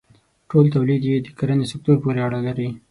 ټول تولید یې د کرنې سکتور پورې اړه لري.